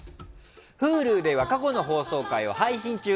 Ｈｕｌｕでは過去の放送回を配信中。